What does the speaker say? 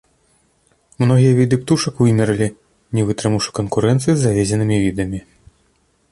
Многія віды птушак вымерлі, не вытрымаўшы канкурэнцыі з завезенымі відамі.